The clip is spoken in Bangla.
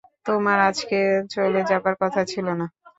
তোমার আজকে চলে যাবার কথা ছিল না?